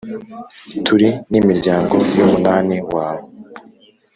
turi n’imiryango y’umunani wawe.